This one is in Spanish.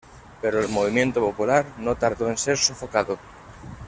Pero el movimiento popular no tardó en ser sofocado.